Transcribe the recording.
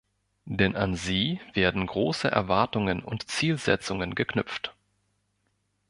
Denn an sie werden große Erwartungen und Zielsetzungen geknüpft.